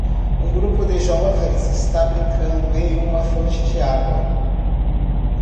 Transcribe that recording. Um grupo de jovens está brincando em uma fonte de água.